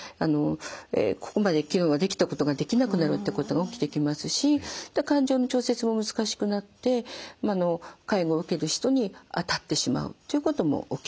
ここまで昨日はできたことができなくなるってことが起きてきますし感情の調節も難しくなって介護を受ける人にあたってしまうということも起きてきます。